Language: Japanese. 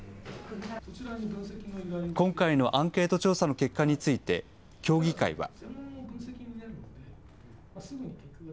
今回のアンケート調査の結果について協議会は。